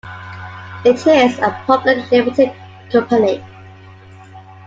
It is a public limited company.